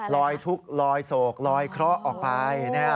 ลอยทุกข์ลอยโศกลอยเคราะห์ออกไป